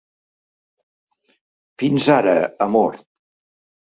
Fins ara, amor.